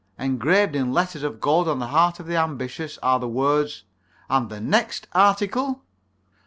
Engraved in letters of gold on the heart of the ambitious are these words: 'And the next article?'